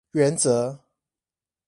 原則